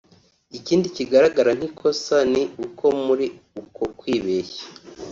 Ikindi kigaragara nk’ikosa ni uko muri uko kwibeshya